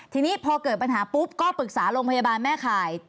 ทีนี้พอเกิดปัญหาปุ๊บก็ปรึกษาโรงพยาบาลแม่ข่าย